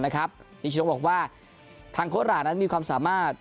การทำทีมนะครับนิชนกบอกว่าทางโค้ดร้านนั้นมีความสามารถ